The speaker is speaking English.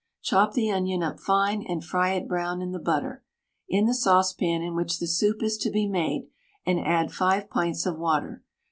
Chop the onion up fine, and fry it brown in the butter, in the saucepan in which the soup is to be made, and add 5 pints of water.